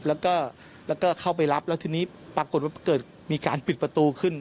แล้วก็เข้าไปรับแล้วทีนี้ปรากฏว่าเกิดมีการปิดประตูขึ้น